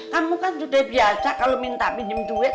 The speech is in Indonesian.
kamu kan juga biasa kalo minta pinjem duit